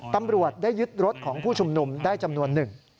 ตำรวจได้ยึดรถของผู้ชุมนุมได้จำนวนหนึ่ง